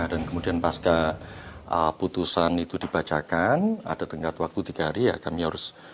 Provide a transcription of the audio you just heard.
dan kemudian pas keputusan itu dibacakan ada tengkat waktu tiga hari ya kami harus